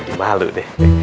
ya malu deh